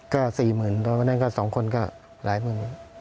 ก็๔๐๐๐๐บาทต่อไปนั่นก็๒คนก็หลายหมื่นบาท